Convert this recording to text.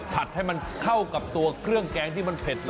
ให้มันเข้ากับตัวเครื่องแกงที่มันเผ็ด